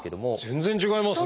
全然違いますね。